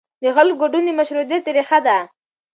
د خلکو ګډون د مشروعیت ریښه ده